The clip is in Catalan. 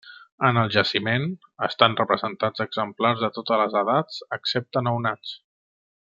En el jaciment, estan representats exemplars de totes les edats excepte nounats.